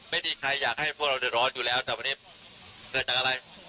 ไม่มีใครอยากให้พวกเราเดือดร้อนอยู่แล้วแต่วันนี้เกิดจากอะไร